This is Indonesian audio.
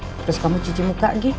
terus kamu cuci muka